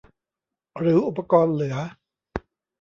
หรืออุปกรณ์เหลือ